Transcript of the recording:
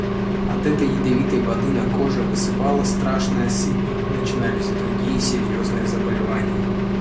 От этой ядовитой воды на коже высыпала страшная сыпь, начинались другие серьезные заболевания.